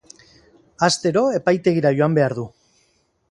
Astero epaitegira joan behar du.